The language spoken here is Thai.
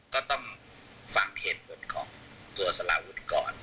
ก็ต้องฟังเหตุผลของตัวสลาวุฒิก่อน